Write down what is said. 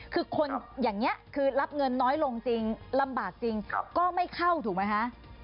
คือคนอย่างนี้คือรับเงินน้อยลงจริงลำบากจริงก็ไม่เข้าถูกไหมคะ